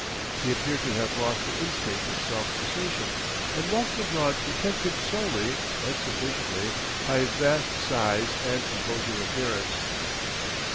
He appeared to have lost the instinct of self assertion, and walked abroad protected solely, but sufficiently, by his vast size and imposing appearance.